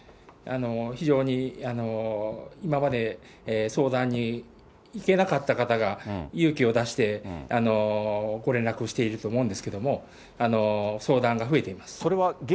非常に、今まで相談に行けなかった方が勇気を出してご連絡していると思うんですけれども、相談が増えています。